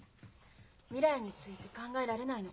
未来について考えられないの。